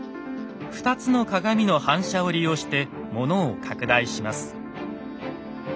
２つの鏡の反射を利用してものを拡大します。